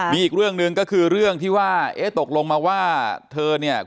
มีอีกเรื่องหนึ่งก็คือเรื่องที่ว่าเอ๊ะตกลงมาว่าเธอเนี่ย